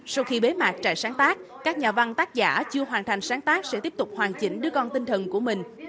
sau khi bế mạc trại sáng tác các nhà văn tác giả chưa hoàn thành sáng tác sẽ tiếp tục hoàn chỉnh đứa con tinh thần của mình